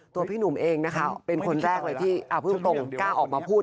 ตัวพี่หนุ่มเองเป็นคนแรกเลยที่พึ่งตรงกล้าออกมาพูด